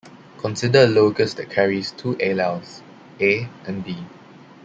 Consider a locus that carries two alleles, A and B.